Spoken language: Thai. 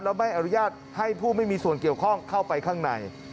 แล้วไม่อนุญาตให้ผู้ไม่มีส่วนเกี่ยวข้องเข้าไปข้างใน